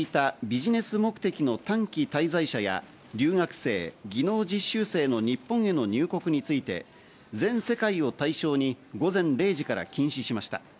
政府は例外的に認めていたビジネス目的の短期滞在者や留学生、技能実習生の日本への入国について、全世界を対象に、午前０時から禁止しました。